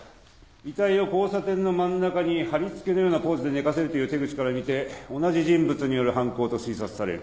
遺体を交差点の真ん中にはりつけのようなポーズで寝かせるという手口から見て同じ人物による犯行と推察される。